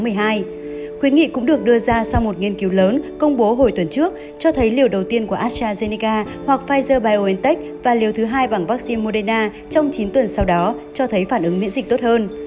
hội nghị cũng được đưa ra sau một nghiên cứu lớn công bố hồi tuần trước cho thấy liều đầu tiên của astrazeneca hoặc pfizer biontech và liều thứ hai bằng vaccine moderna trong chín tuần sau đó cho thấy phản ứng miễn dịch tốt hơn